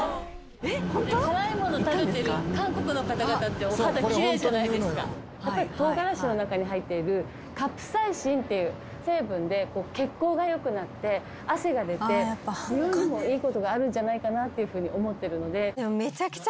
やっぱり唐辛子の中に入っているカプサイシンっていう成分で血行が良くなって汗が出て美容にもいい事があるんじゃないかなっていうふうに思ってるので。